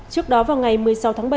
trước đó vào ngày một mươi sáu tháng bảy